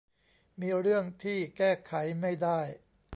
มีเรื่องที่แก้ไขไม่ได้